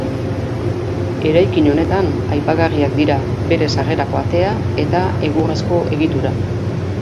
Eraikin honetan aipagarriak dira bere sarrerako atea eta egurrezko egitura.